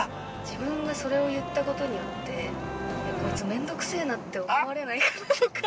自分がそれを言ったことによってこいつ、めんどくせえなって思われないかなとか。